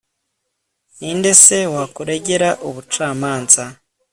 ni nde se wakuregera ubucamanza